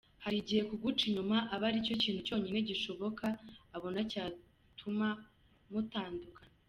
Hari igihe kuguca inyuma aba ari cyo kintu cyonyine gishoboka, abona cyatuma mutandukana.